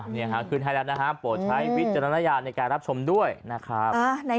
นี่ค่ะขึ้นให้แล้วนะฮะโปรดใช้วิจารณญาณในการรับชมด้วยนะครับ